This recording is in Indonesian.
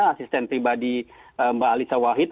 asisten pribadi mbak alisa wahid